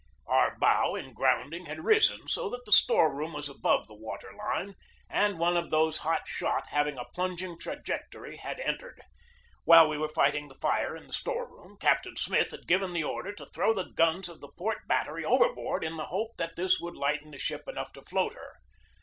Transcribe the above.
Our bow in grounding had risen so that the store room was above the water line, and one of these hot shot having a plunging trajectory had entered. While we were fighting the fire in the store room, Captain Smith had given the order to throw the guns of the port battery overboard in the hope that this would lighten the ship enough to float her.